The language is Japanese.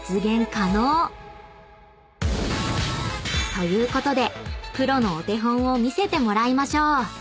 ［ということでプロのお手本を見せてもらいましょう］